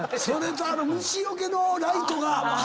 それと虫よけのライトが。